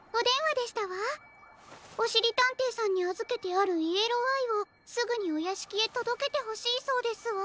おしりたんていさんにあずけてあるイエローアイをすぐにおやしきへとどけてほしいそうですわ。